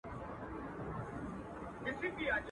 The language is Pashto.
بې پروا له شنه اسمانه.